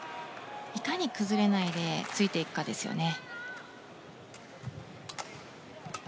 いかに崩れないでついていくかですよね。